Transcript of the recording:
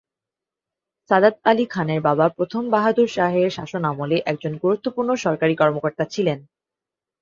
সাদাত আলি খানের বাবা প্রথম বাহাদুর শাহের শাসনামলে একজন গুরুত্বপূর্ণ সরকারি কর্মকর্তা ছিলেন।